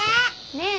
ねえ！